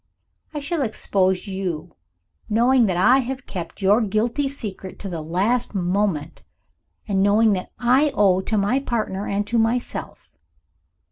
"I shall expose you, knowing that I have kept your guilty secret to the last moment and knowing what I owe to my partner and to myself.